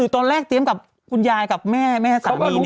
ตอนแรกเตรียมกับคุณยายกับแม่แม่สามี